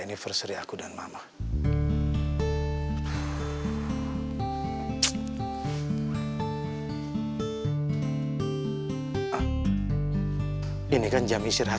ini dia beneran pake helm terus